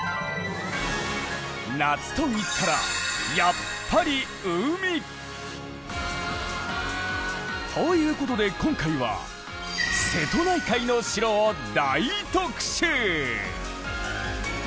夏といったらやっぱり海！ということで今回は瀬戸内海の城を大特集！